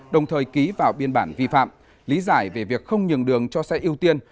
đồng thời ký vào biên bản vi phạm lý giải về việc không nhường đường cho xe ưu tiên